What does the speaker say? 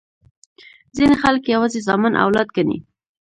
ځیني خلګ یوازي زامن اولاد ګڼي.